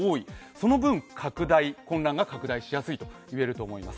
その分、混乱が拡大しやすいと言えると思います。